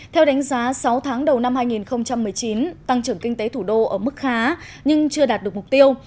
theo đánh giá sáu tháng đầu năm hai nghìn một mươi chín tăng trưởng kinh tế thủ đô ở mức khá nhưng chưa đạt được mục tiêu